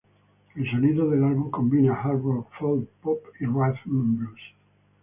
El sonido del álbum combina hard rock, folk, pop y rhythm and blues.